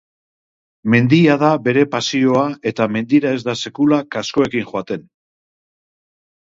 Mendia da bere pasioa eta mendira ez da sekula kaskoekin joaten.